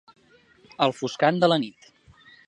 Al foscant de la nit.